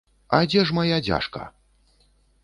А дзе ж мая дзяжка?